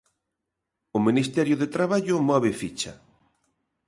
O Ministerio de Traballo move ficha.